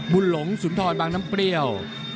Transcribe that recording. หลงสุนทรบางน้ำเปรี้ยว